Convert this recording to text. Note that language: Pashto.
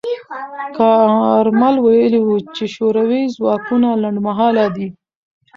کارمل ویلي و چې شوروي ځواکونه لنډمهاله دي.